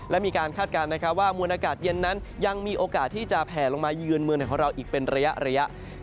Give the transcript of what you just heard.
และมีการคาดการณ์นะครับว่ามวลอากาศเย็นนั้นยังมีโอกาสที่จะแผ่ลงมาเยือนเมืองของเราอีกเป็นระยะ